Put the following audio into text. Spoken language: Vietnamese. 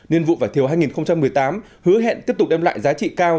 nên vụ vải thiều hai nghìn một mươi tám hứa hẹn tiếp tục đem lại giá trị cao